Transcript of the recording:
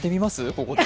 ここで。